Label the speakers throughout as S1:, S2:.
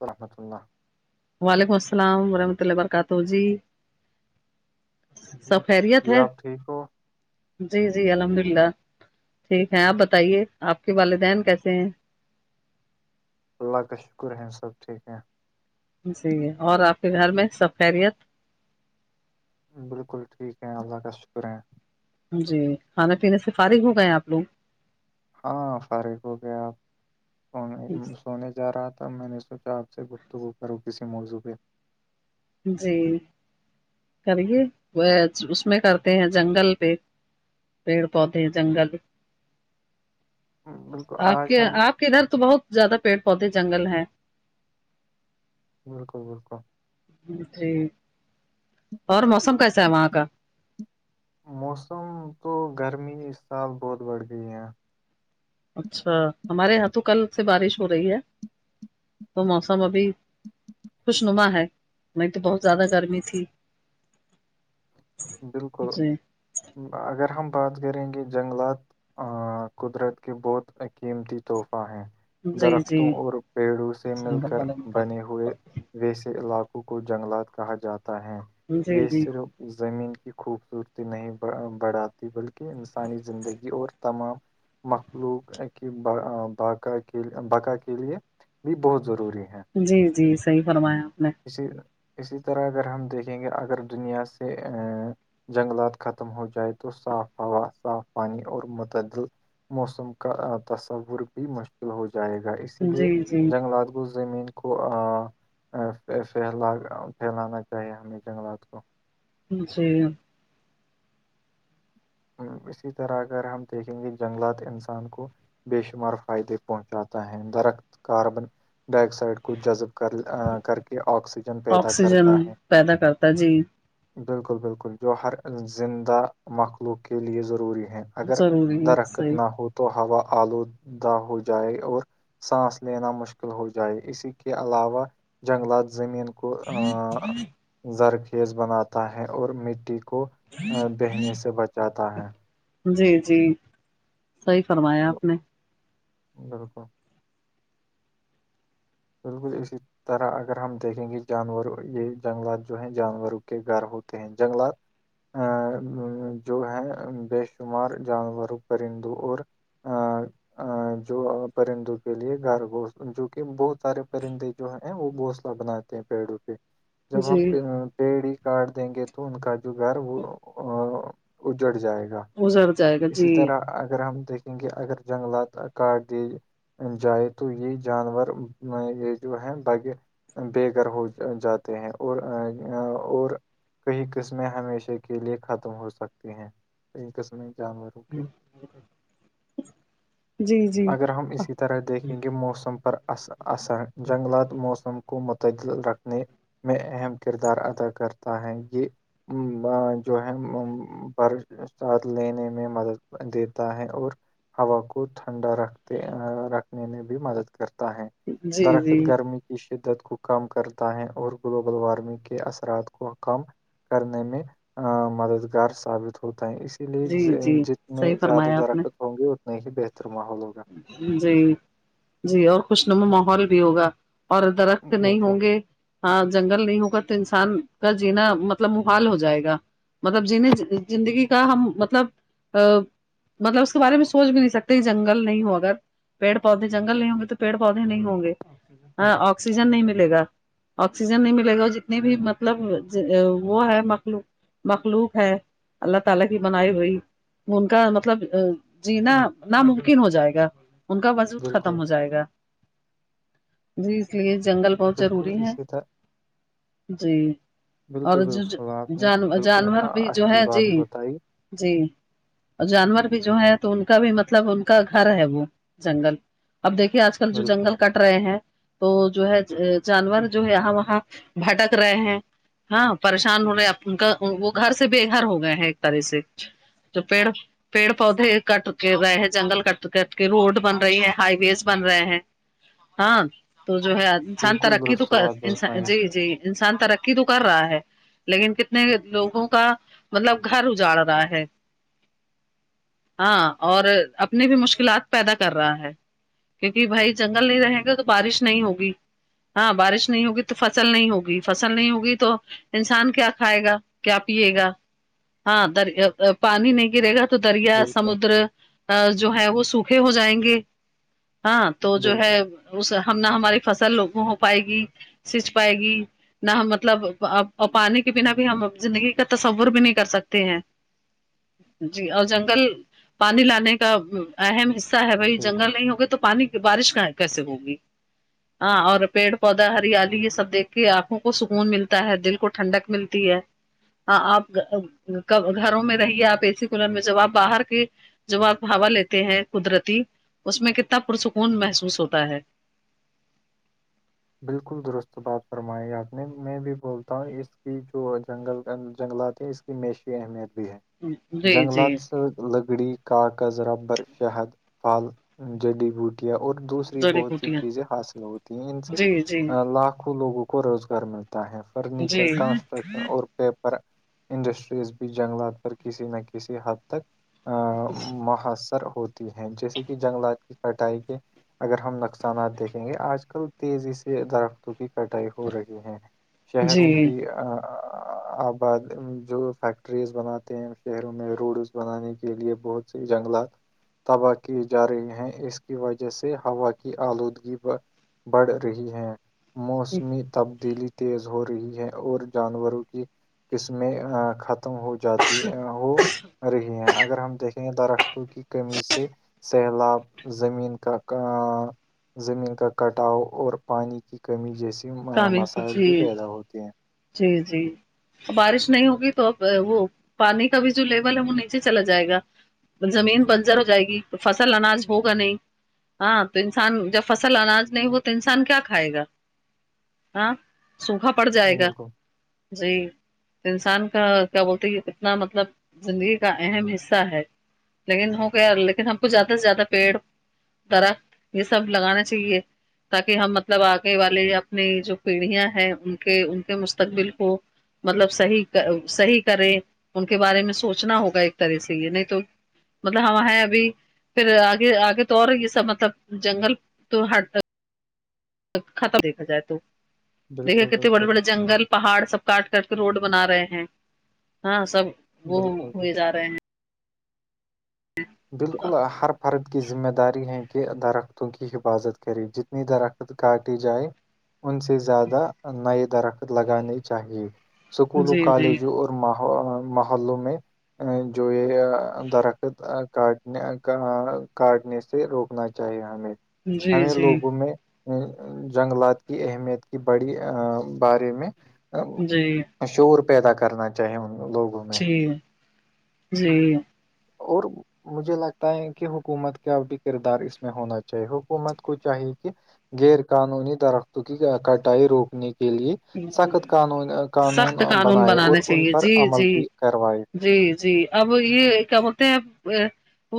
S1: وحمت اللہ
S2: وعلیکم السلام ورحمۃ اللہ وبرکاتہ جی سب خیریت
S1: جی
S2: ہے
S1: آپ ٹھیک ہو
S2: جی جی الحمد للہ ٹھیک ہے آپ بتائیے آپ کے والدین کیسے ہیں
S1: اللہ کا شکر ہے صاب ٹھیک ہیں
S2: جی اور آپ کے گھر میں سب خیریت
S1: بالکل ٹھیک ہے اللہ کا شکر ہے
S2: جی کھانا پینے سے فارغ ہو گئے ہیں آپ لوگ
S1: ہاں فارغ ہو گیا آپ فون
S2: جی
S1: سونے جا رہا تھا میں نے سوچا آپ سے گفتگو کرو کسی موضوع پہ
S2: جی کریے وہ اس میں کرتے ہیں جنگل پہ پیڑ پودے جنگل
S1: بالکل
S2: آپ
S1: آج
S2: کے
S1: ہم
S2: آپ ادھر تو بہت زیادہ پیڑ پودے جنگل ہیں
S1: بالکل بالکل
S2: ج جی اور موسم کیسا ہے وہاں کا
S1: موسم تو گرمی اس سال بہت بڑھ گئی ہے
S2: اچھا ہمارے یہاں تو کل سے بارش ہو رہی ہے تو موسم ابھی خوش نما ہے وہ تو بہت زیادہ گرمی تھی
S1: بالکل
S2: جی
S1: اگر ہم بات کریں گے جنگلات قدرت کے بہت قیمتی تحفہ ہیں
S2: جی
S1: درختوں
S2: جی
S1: اور پیڑوں سے مل کر بنے ہوئے ویسے علاقوں کو جنگلات کہا جاتا ہے
S2: جی
S1: یہ
S2: جی
S1: صرف زمین کی خوبصورتی نہیں بڑھاتی بلکہ انسانی زندگی اور تمام مخلوق کی باقا کے بقا کے لیے بھی بہت ضروری ہے
S2: جی جی صحیح فرمایا آپ نے
S1: اسی اسی طرح اگر ہم دیکھیں گے اگر دنیا سے جنگلات ختم ہو جائے تو صاف ہوا صاف پانی اور متعدل موسم کا تصور بھی مشکل ہو جائے گا اس اس لیے
S2: جی جی
S1: جنگلات گو زمین کو لا پھیلانا چاہیے ہمیں جنگلات کو
S2: جی
S1: اسی طرح اگر ہم دیکھیں گے جنگلات انسان کو بے شمار فائدے پہنچاتا ہے درخت کاربن ڈائی آکسائڈ کو جذب کر کر کے آکسی
S2: آکسیجن پیدا کرتا جی
S1: بالکل بالکل جو ہر زندہ مخلوق کے لئے ضروری ہے اگر
S2: ضروری ہے
S1: درخت
S2: صحیح
S1: نہ ہو تو ہوا آلودہ ہو جائے اور سانس لینا مشکل ہو جائے اسی کے علاوہ جنگلات زمین کو کو زرخیز بناتا ہے اور مٹی کو بہنے سے بچاتا ہے
S2: جی جی صحیح فرمایا
S1: ب-
S2: آپ نے
S1: بالکل بالکل ایسے ہی طرح اگر ہم دیکھیں گے جانور یہ جنگلات جو ہیں جانوروں کے گھر ہوتے ہیں جنگلات ا جو ہے بے شمار جانوروں پرندوں اور جو پرندوں کے لیے گارگوشت جو کہ بہت سارے پرندے جو ہیں وہ بھونسلہ بناتے ہیں پیڑوں پہ جب ہم
S2: جی
S1: پی ڈی کارڈ دیں گے تو ان کا جو گھر وہ اجڑ جائے گا
S2: ازر جائے گا
S1: اسی
S2: جی
S1: طرح اگر ہم دیکھ کیونکہ اگر جنگلات کاٹ دیے جائے تو یہ جانور میں یہ جو ہے باقی بے گھر ہو جاتے ہیں اور اور کئی قسمیں ہمیشہ کے لیے ختم ہو سکتی ہیں کئی قسمیں جانور
S2: [unintelligible] جی جی
S1: اگر ہم اسی طرح دیکھیں گے موسم پر اثر اثر جنگلات موسم کو متعدل رکھنے میں اہم کردار ادا کرتا ہے یہ جو ہے بھر ساتھ لینے میں مدد دیتا ہے اور ہوا کو ٹھنڈا رکھتے رکھنے میں بھی مدد کرتا ہے
S2: جی
S1: درخت
S2: جی
S1: گرمی کی شدت کو کم کرتا ہے اور گلوبل وارمنگ کے اثرات کو کم کرنے میں مددگار ثابت ہوتا ہے اس اسی لیے
S2: جی جی
S1: جتنے
S2: صحیح
S1: زیادہ
S2: فرمایا آپ نے
S1: درکت ہوں گے اتنے ہی بہتر ماحول ہوگا
S2: جی جی اور خوشنما ماحول بھی ہوگا اور درخت نہیں
S1: بالکل
S2: ہوں گے ہاں جنگل نہیں ہوگا تو انسان کا جینا مطلب محال ہو جائے گا مطلب جنیں زندگی کا ہم مطلب ا مطلب اس کے بارے میں سوچ بھی نہیں سکتے جنگ جنگل نہیں ہو اگر پیڑ پودے جنگل نہیں ہوں گے تو پیڑ پودے نہیں ہوں گے ہاں آکسیجن نہیں ملے گا آکسیجن نہیں ملے گا اور جتنے بھی مطلب وہ ہے مخلو مخلوق ہے اللہ تعالی کی بنائی ہوئی ان کا مطلب جینا ن کن ہو جائے گا ان کا وجود
S1: بالکل
S2: ختم ہو جائے گا جی اس لیے جنگل بہت
S1: بالکل
S2: ضروری ہے
S1: اسی طرح
S2: جی
S1: بالکل
S2: اور جو
S1: بالکل آپ نے
S2: جان
S1: بالکل
S2: جانور بھی جو ہے
S1: اچھی بات
S2: جی
S1: بتائی
S2: جی اور جانور بھی جو ہے تو ان کا بھی مطلب ان کا گھر ہے وہ جنگل اب دیکھیے آج کل جو
S1: بالکل
S2: جنگل کاٹ رہے ہیں تو جو ہے جانور جو ہے یہاں وہاں بھٹک رہے ہیں ہاں پریشان ہو رہے ہیںپ ان کا وہ گھر سے بے گھر ہو گئے ہیں ایک طرح سے جو پیڑ پیڑ پودے کٹ کے رہئے ہے جنگل کٹ کٹ کے روڈ بن رہی ہے ہائی ویز بن رہے ہیں ہاں تو جو ہے انسان
S1: بالکل
S2: ترقی تو
S1: درست بات
S2: انان
S1: بتائی
S2: جی جی انسان ترقی تو کر رہا ہے لیکن کتنے لوگوں کا مطلب گھر اجاڑ رہا ہے ہاں اور اپنی بھی مشکلات پیدا کر رہا ہے کیونکہ بھائی جنگل نہیں رہیں گے تو بارش نہیں ہوگی ہاں بارش نہیں ہوگی تو فصل نہیں ہوگی فصل نہیں ہوگی تو انسان کیا کھائے گا کیا پیے گا ہاں در پانی نہیں گرے گا تو دریا
S1: بالکل
S2: سمندر جو ہے وہ سوکھے ہو جائیں گے ہاں تو جو ہے
S1: بالکل
S2: اس ہم نہ ہماری فصل لوگوں ہو پائے گی سچ پائے گی نہ ہم مطلب اپانے کے بنا بھی ہم زندگی کا تصور بھی نہیں کر سکتے ہیں جی اور جنگل پانی لانے کا اہم حصہ ہے بھائی
S1: بالکل
S2: جنگل نہیں ہوگے تو پانی بارش کا کیسے ہوگی ہاں اور پیڑ پودا ہریالی یہ سب دیکھ کے آنکھوں کو سکون ملتا ہے دل کو ٹھنڈک ملتی ہے ہاں آپ گھروں میں رہیے آپ اے سی کولر میں جب آپ باہر کے ج آپ ہاوا لیتے ہیں قدرتی اس میں کتنا پرسکون محسوس ہوتا ہے
S1: بالکل درست بات فرمائی آپ نے میں بھی بولتا ہوں اس کی جو جنگل جنگلات ہیں اس معیشی اہمیت بھی ہے
S2: جی جی
S1: جنگلات لکڑی کاغذ ربر شہد پھل جڈی بوٹیا اور دوسری
S2: جڑی
S1: بہت سی
S2: بوٹیاں
S1: چیزیں حاصل ہوتی ہیں ان سے
S2: جی جی
S1: آ، لاکھوں لوگوں کو روزگار ملتا ہے
S2: جی
S1: فرنیچر کنسٹرکشن اور پیپر انڈسٹریز بھی جنگلات پر کسی نہ کسی حد تک محصر ہوتا ہیں جیسے کہ جنگلات کی کٹائی کے اگر ہم نقصانات دیکھیں گے آج کل تیزی سے سے درختوں کی کٹائی ہو رہی ہے
S2: جی
S1: شہروں کی آباد جو فیکٹریز بناتے ہیں شہروں میں روڈز بنانے کے لیے بہت سے جنگلات تباہ کی جا رہی ہیں اس کی وجہ سے ہوا کی آلودگی بڑ رہی ہیں موسمی تبدیلی تیز ہو رہی ہے اور جانوروں کی قسمیں خط ہو جاتی ہو رہی ہے اگر ہم دیکھیں درختوں کی کمی سے سیلاب زمین کا زمین کا کٹاؤ اور پانی کی کمی جیسی
S2: کام
S1: مسائل بھی
S2: جی
S1: پیدا ہوتے ہیں
S2: جی جی بارش نہیں ہوگی تو اب وہ پانی کا بھی جو لیول ہے وہ نیچے چلا جائے گا زمین بنجر ہو جائے گی تو فصل اناج ہوگا نہیں ہاں تو انسان جب فصل اناج نہیں ہو تو انسان کیا کھائے گا ہاں سوکھا پڑ جائے گا
S1: بالکل
S2: جی تو انسان کا کیا بولتے یہ کتنا مطلب زندگی کا اہم حصہ ہے لیکن ہو گ لیکن ہم کو زیادہ سے زیادہ پیڑ طرخ یہ سب لگانا چاہیے تاکہ ہم مطلب آگے والے یا نے جو پیڑھیاں ہیں ان کے ان کے مستقبل کو مطلب صحیح صحیح کرے ان کے بارے میں سوچنا ہوگا ایک طرح سے یہ نہیں تو مطلب ہم ہے ابھی پھر آگے آگے تو اور یہ سب مطلب جنگل تو ہ خطر دیکھا جائے تو دیکھے
S1: بالکل
S2: کتنے بڑے
S1: بالکل
S2: بڑے جنگل پہاڑ سب کاٹ کر کے روڈ بنا رہے ہیں ہاں سب وہ
S1: بالکل بالکل
S2: ہوئے جا رہے ہیں
S1: بالکل ہر فرد کی ذمہ داری ہے کہ درختوں کی حفاظت کرے جتنی درخت کاٹے جائے ان سے زیادہ نئے درخت لگانے چاہیے اسکولوں
S2: جی جی
S1: کالجوں اور محلوں میں جو یہ درخت کاٹنے کاٹنے سے روکنا چاہیے ہمیں
S2: جی
S1: ہمیں
S2: جی
S1: لوگوں میں جنگلات کی اہمیت کی بڑی بارے میں
S2: جی
S1: شعور پیدا کرنا چاہے ان لوگوں میں
S2: جی جی
S1: اور مجھے لگتا ہے کہ حکومت کا بھی کردار اس میں ہونا چاہیے حکومت کو چاہیے کہ غیر قانونی درختوں کی کٹائی روکنے کے لیے
S2: ہ
S1: سخت قانون
S2: سخت قانون
S1: بنائے
S2: بنانے
S1: اور ان
S2: چاہیے
S1: پر
S2: جی
S1: عمل
S2: جی
S1: بھی کروائے
S2: جی جی اب یہ کیا بولتے ہیں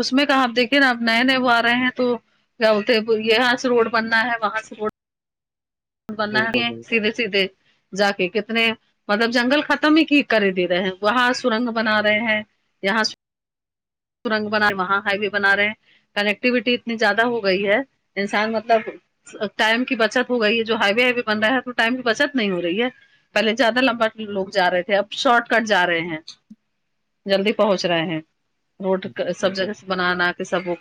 S2: اس میں کہ آ دیکھیے نا اب نئے نئے وہ آ رہے ہیں تو تے پ یہاں سے روڈ بننا ہے وہاں سے روڈ بنا
S1: بالکل
S2: ہیں
S1: بالکل
S2: سیدھے سیدھے جا کے کتنے مطلب جنگل ختم ہی کی کر دے رہے ہیں وہاں سرنگ بنا رہے ہیں یہاں سورنگ بنا رہ وہاں ہائی و بنا رہے ہیں کنیکٹیویٹی اتنی زیادہ ہو گئی ہے انسان مطلب ٹائم کی بچت ہو گئی ہے جو ہائی وے ہائی وے بن رہ ہے تو ٹائم کی بچت نہیں ہو رہی ہے پہلے زیادہ لمبا لوگ جا رہے تھے اب شارٹ کٹ جا رہے ہیں جلدی پہنچ رہے ہیں روڈ سب جگہ سے بنانا یہ سب وہ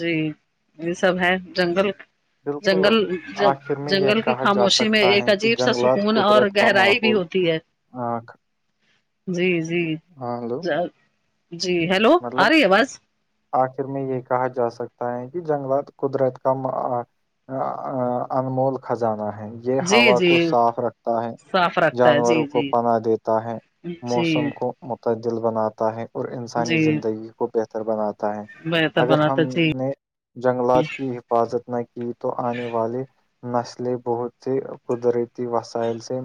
S2: جی یہ سب ہے جنگل
S1: بالکل
S2: جنگل
S1: آخر میں یہ
S2: جنگل کی
S1: کہا
S2: خاموشی میں
S1: جاسکتا ہے
S2: ایک
S1: کہ
S2: عجیب سا
S1: جنگلات
S2: سکون اور
S1: قدرت کا
S2: گہرائی بھی
S1: ماحول
S2: ہوتی ہے
S1: آکھ
S2: جی جی
S1: ہلو
S2: جی ہیلو
S1: مطلب
S2: آ رہی آواز
S1: آخر میں یہ کہا جا سکتا ہے کہ جنگلات قدرت کا انمول خزانہ ہے یہ
S2: جی
S1: ہوا
S2: جی
S1: کو صاف رکھتا ہے
S2: صاف رکھتا ہے
S1: جانوروں
S2: جی
S1: کو
S2: جی
S1: پناہ دیتا ہے
S2: جی
S1: موسم کو متعدل بناتا ہے اور انسانی
S2: جی
S1: زندگی کو بہتر بناتا ہے
S2: بہتر
S1: اگر
S2: بناتا
S1: ہم
S2: جی
S1: نے جنگلات کی ح حفاظت نہ کی تو آنے والے نسلیں بہت سے قدرتی وسائل سے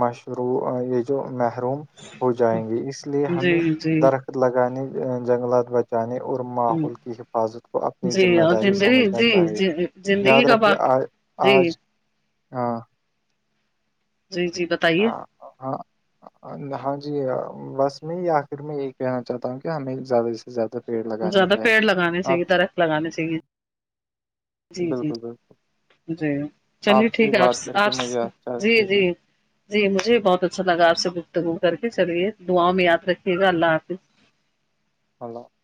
S1: مشروع یہ جو محروم ہو جائیں گے اس لیے
S2: جی
S1: ہمیں
S2: جی
S1: درخت لگانے جنگلات ب جانے اور ماحول کی حفاظت کو اپنی
S2: جی
S1: ذمہ
S2: اور
S1: داری
S2: زندگی
S1: سمجھنا
S2: جی
S1: چاہیے
S2: جی
S1: یاد
S2: زندگی کا
S1: رکھے
S2: باق
S1: آج
S2: جی
S1: آج ہاں
S2: جی جی ب
S1: ہاں ہاں ہاں جی بس میں آخر میں یہ کہنا چاہتا ہوں کہ ہمیں زیادہ سے زیادہ پیڑ لگانے
S2: زیادہ
S1: چاہیے
S2: پیڑ لگانے س گ
S1: آپ
S2: درخت لگانانی س گ
S1: بالکل بالکل
S2: جی چلیے
S1: سے
S2: ٹھیک ہے آپ
S1: بات کر کے
S2: آپ
S1: مجھے اچھا
S2: جی جی
S1: سیکھنے
S2: جی مجھے بہت اچھا لگا آ سے گفتگو کر کے چلیے دعاں میں یاد رکے گا اللہ حافظ
S1: اللہ [unintelligible]